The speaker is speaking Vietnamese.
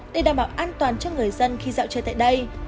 để đảm bảo an toàn cho người dân khi dạo chơi tại đây